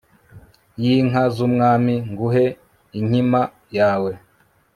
y'inka z'umwami nguhe inkima yawe